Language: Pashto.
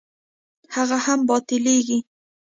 هغه هم باطلېږي.